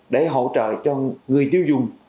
để hỗ trợ cho người tiêu dùng